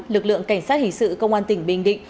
lực lượng cảnh sát hình sự công an tỉnh bình định